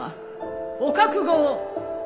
お覚悟を！